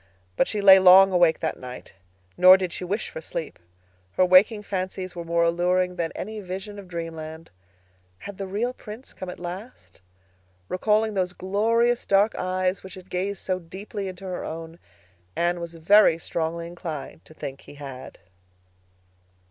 But she lay long awake that night, nor did she wish for sleep. Her waking fancies were more alluring than any vision of dreamland. Had the real Prince come at last? Recalling those glorious dark eyes which had gazed so deeply into her own, Anne was very strongly inclined to think he had.